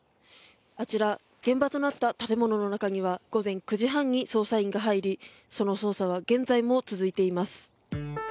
あちら現場となった建物の中には午前９時半に捜査員が入りその捜査は現在も続いています。